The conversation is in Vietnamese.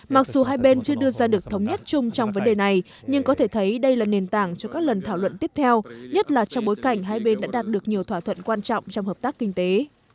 mặc dù hai bên chưa đưa ra được thống nhất chung trong vấn đề này nhưng có thể thấy đây là nền tảng cho các lần thảo luận tiếp theo nhất là trong bối cảnh hai bên đã đạt được nhiều thỏa thuận quan trọng trong hợp tác kinh tế